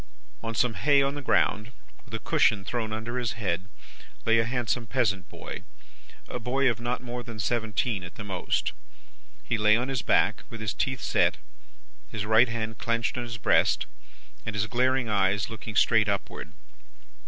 "On some hay on the ground, with a cushion thrown under his head, lay a handsome peasant boy a boy of not more than seventeen at the most. He lay on his back, with his teeth set, his right hand clenched on his breast, and his glaring eyes looking straight upward.